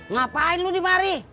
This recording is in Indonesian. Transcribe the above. ngapain lu di mari